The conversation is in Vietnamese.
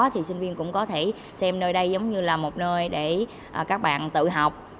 thì sinh viên cũng có thể xem nơi đây giống như là một nơi để các bạn tự học